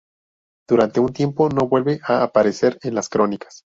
Durante un tiempo no vuelve a aparecer en las crónicas.